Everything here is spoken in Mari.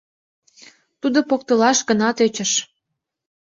Тудо поктылаш гына тӧчыш...